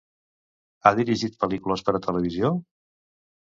Ha dirigit pel·lícules per a televisió?